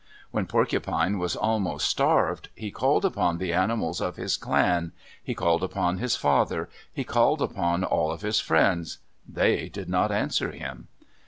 When Porcupine was almost starved, he called upon the animals of his clan. He called upon his father. He called upon all of his friends. They did not answer him.